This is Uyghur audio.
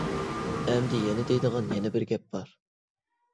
ئەمدى يەنە دەيدىغان يەنە بىر گەپ بار.